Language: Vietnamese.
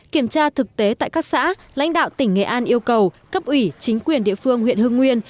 kiểm tra thực tế tại các xã lãnh đạo tỉnh nghệ an yêu cầu cấp ủy chính quyền địa phương huyện hưng nguyên